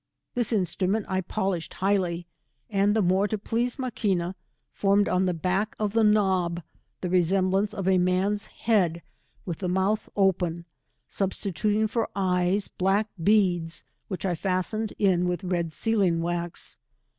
This instrument I polished highly, and the more to please Maquina, formed on the back of the knob, the resemblance of a man's head, with the mouth open, substituting for eyes, black beads, which I fastened in with red sealing wax.